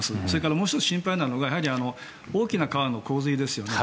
もう１つ心配なのが大きな川の洪水ですよね。